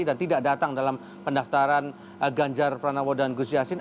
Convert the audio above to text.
dan ini juga tidak datang dalam pendaftaran ganjar panawo dan gus yassin